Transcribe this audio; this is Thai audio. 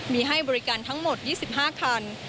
มีให้บริการทั้งหมด๒๕คัน